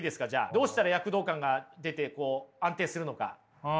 どうしたら躍動感が出て安定するのか？